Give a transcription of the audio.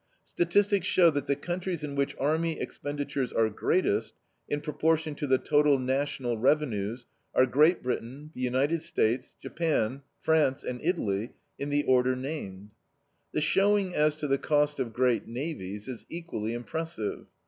Statistics show that the countries in which army expenditures are greatest, in proportion to the total national revenues, are Great Britain, the United States, Japan, France, and Italy, in the order named. The showing as to the cost of great navies is equally impressive.